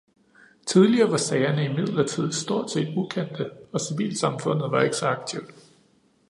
Tidligere var sagerne imidlertid stort set ukendte, og civilsamfundet var ikke så aktivt.